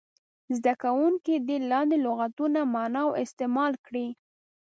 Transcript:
زده کوونکي دې لاندې لغتونه معنا او استعمال کړي.